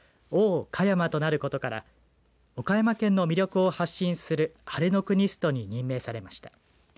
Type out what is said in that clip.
香山となることから岡山県の魅力を発信するハレノクニストに任命されました。